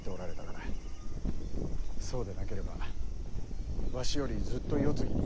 そうでなければわしよりずっと世継ぎに。